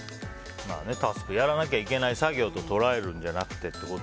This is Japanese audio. やらなきゃいけない作業と捉えるんじゃなくてと。